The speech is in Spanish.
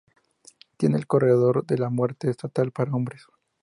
Tiene el corredor de la muerte estatal para hombres.